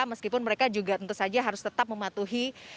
meskipun mereka juga tentu saja harus tetap mematuhi